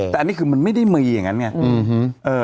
แต่อันนี้คือมันไม่ได้มีอย่างนั้นไง